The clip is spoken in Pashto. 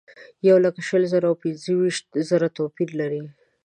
یولک شل زره او پنځه ویشت زره توپیر لري.